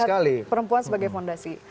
saya melihat perempuan sebagai fondasi